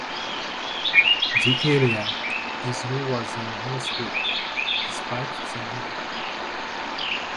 The area is lower than Northwood, despite the name.